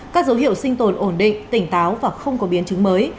các dấu hiệu sinh tồn ổn định tỉnh táo và không có biến chứng mới